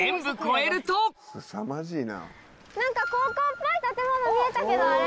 何か高校っぽい建物見えたけどあれ？